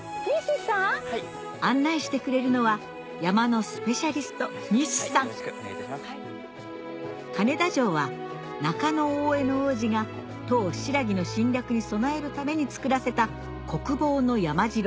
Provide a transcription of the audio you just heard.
案内してくれるのは山のスペシャリスト金田城は中大兄皇子が唐新羅の侵略に備えるために造らせた国防の山城